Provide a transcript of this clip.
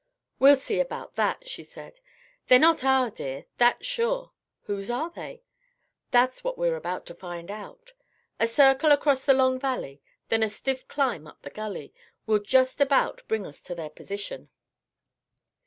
"We'll see about that," she said. "They're not our deer, that's sure. Whose are they? That's what we're about to find out. A circle across that long valley, then a stiff climb up a gully, will just about bring us to their position."